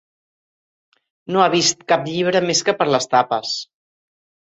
No ha vist cap llibre més que per les tapes.